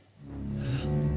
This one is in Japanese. えっ。